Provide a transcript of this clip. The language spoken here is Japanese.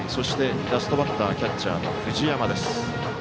ラストバッターキャッチャーの藤山です。